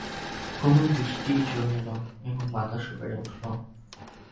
ক্রমে বৃষ্টি জোরে এল এবং বাতাসও বেড়ে উঠল।